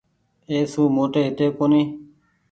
اي سون موٽي هيتي ڪونيٚ۔